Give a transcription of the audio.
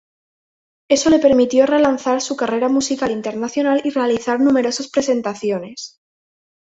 Eso le permitió relanzar su carrera musical internacional y realizar numerosas presentaciones.